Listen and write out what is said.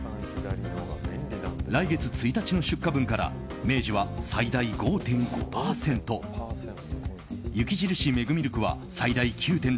来月１日の出荷分から明治は最大５．５％雪印メグミルクは最大９．６％